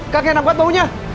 kakak enak banget baunya